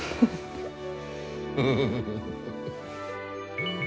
フフフフフ。